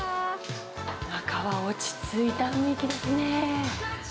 中は落ち着いた雰囲気ですね。